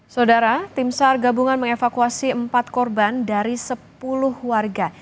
saudara tim sar gabungan mengevakuasi empat korban dari sepuluh warga